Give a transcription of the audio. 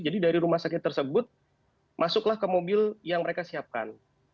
jadi dari rumah sakit tersebut masuklah ke mobil yang mereka siapkan